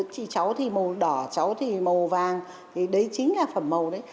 chị cháu thì màu đỏ cháu thì màu vàng thì đấy chính là phẩm màu đấy